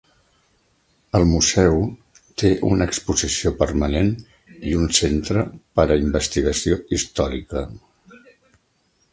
El Museu té una exposició permanent i un centre per a investigació històrica.